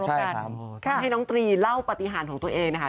ให้น้องตรีเล่าปฏิหารของตัวเองนะคะ